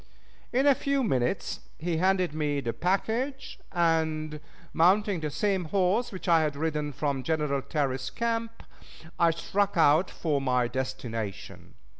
In a few minutes he handed me the package, and, mounting the same horse which I had ridden from General Terry's camp, I struck out for my destination.